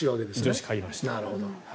女子、買いました。